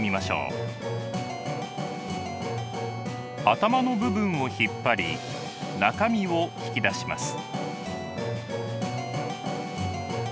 頭の部分を引っ張り中身を引き出します。